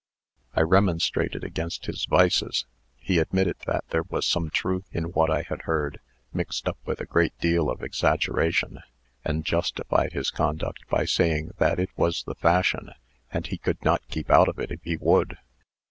"I remonstrated against his vices. He admitted that there was some truth in what I had heard, mixed up with a great deal of exaggeration; and justified his conduct by saying that it was the fashion, and he could not keep out of it if he would.